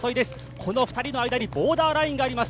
この２人の間にボーダーラインがあります。